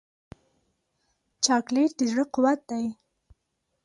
چاکلېټ د زړه قوت دی.